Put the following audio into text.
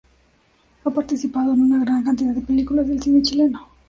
Ha participado en una gran cantidad de películas del cine chileno.